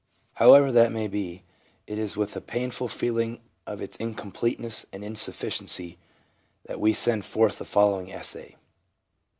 However that may be, it is with a painful feeling of its incompleteness and insuffi ciency that we send forth the following essay.